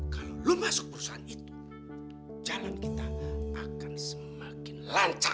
kalau lo masuk perusahaan itu jalan kita akan semakin lancar